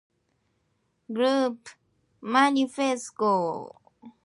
Hannes Swoboda supported the European cause by signing the Spinelli Group Manifesto.